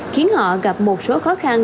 khiến họ gặp một số khó khăn